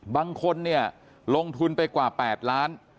บางคนเนี่ยลงทุนไปกว่า๘ล้าน